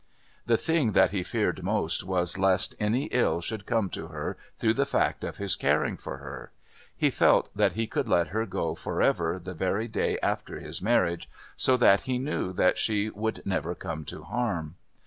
The thing that he feared most was lest any ill should come to her through the fact of his caring for her; he felt that he could let her go for ever the very day after his marriage, so that he knew that she would never come to harm.